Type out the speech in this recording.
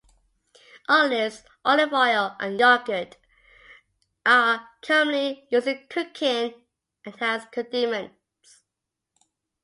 Olives, olive oil, and yogurt are commonly used in cooking and as condiments.